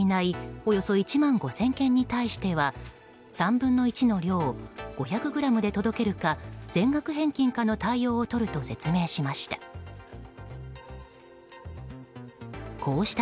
およそ１万５０００件に対しては３分の１の量を５００ｇで届けるか全額返金かの対応をとると説明しました。